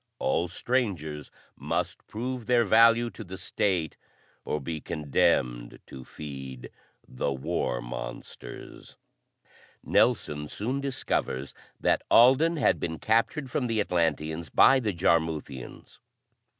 All strangers must prove their value to the State or be condemned to feed the war monsters. Nelson soon discovers that Alden had been captured from the Atlanteans by the Jarmuthians.